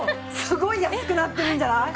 すごい安くなってるんじゃない？